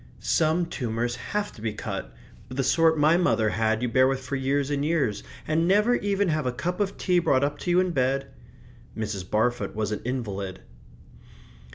"Some tumours have to be cut; but the sort my mother had you bear with for years and years, and never even have a cup of tea brought up to you in bed." (Mrs. Barfoot was an invalid.)